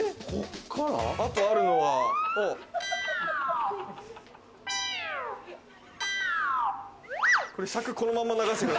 あと、あるのは、こう？